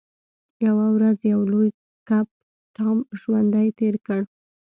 یوه ورځ یو لوی کب ټام ژوندی تیر کړ.